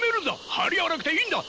張り合わなくていいんだ！